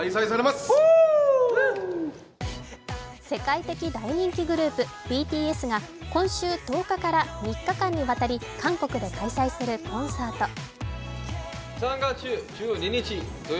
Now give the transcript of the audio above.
世界的大人気グループＢＴＳが今週１０日から３日間にわたり韓国で開催するコンサート。